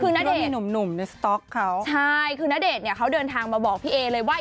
อ๋อแล้วมีหนุ่มในสต๊อกเขาใช่คือนเดชน์เขาเดินทางมาบอกพี่เอเลยว่า